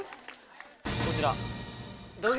こちら。